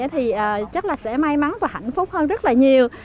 thì chắc là sẽ may mắn và hạnh phúc hơn rất là nhiều